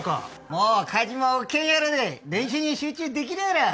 もう火事も起きへんやろうで練習に集中できるやろ。